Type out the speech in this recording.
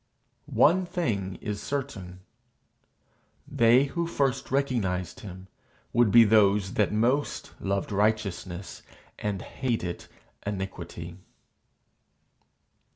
One thing is certain: they who first recognized him would be those that most loved righteousness and hated iniquity.